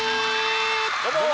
どうも！